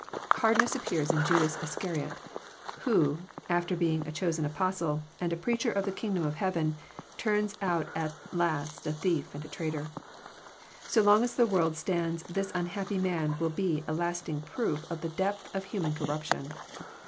Hardness appears in Judas Iscariot, who, after being a chosen Apostle, and a preacher of the kingdom of heaven, turns out at last a thief and a traitor. So long as the world stands this unhappy man will be a lasting proof of the depth of human corruption.